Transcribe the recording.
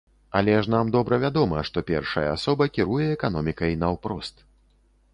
Але ж нам добра вядома, што першая асоба кіруе эканомікай наўпрост.